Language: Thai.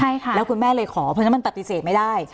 ใช่ค่ะแล้วคุณแม่เลยขอเพราะฉะนั้นมันปฏิเสธไม่ได้